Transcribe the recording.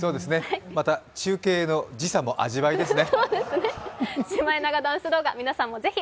また中継の時差も味わえますね。